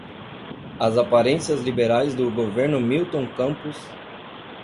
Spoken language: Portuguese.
as aparências liberais do governo Milton Campos